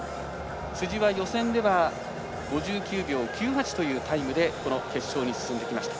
辻は予選では５９秒９８というタイムでこの決勝に進んできました。